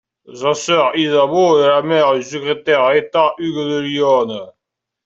Sa sœur Isabeau est la mère du secrétaire d'État Hugues de Lionne.